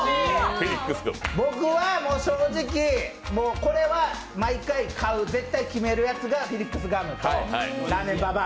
僕は正直、これは毎回買う絶対決めるやつがフィリックスガム。